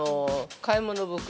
買い物袋？